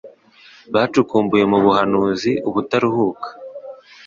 bacukumbuye mu buhanuzi ubutaruhuka.